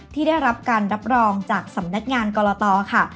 ที่ได้รับการรับรองจากสำนักงานกรตค่ะ